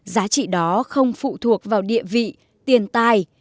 giá trị đó không phụ thuộc vào địa vị tiền tài